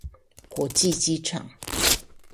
國際機場